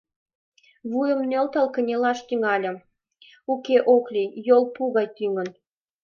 Вуйым нӧлтал кынелаш тӱҥальым, уке, ок лий, йол пу гай тӱҥын.